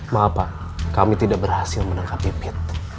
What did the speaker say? maaf pak kami tidak berhasil menangkap bipit